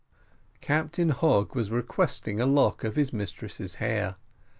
Captain Hogg was requesting a lock of his mistress's hair.